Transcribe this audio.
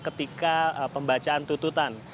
ketika pembacaan tututan